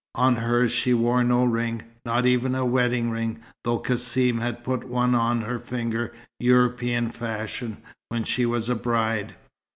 On hers she wore no ring, not even a wedding ring, though Cassim had put one on her finger, European fashion, when she was a bride.